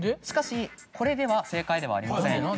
しかしこれでは正解ではありません。